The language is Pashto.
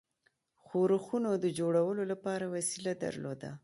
ښورښونو د جوړولو لپاره وسیله درلوده.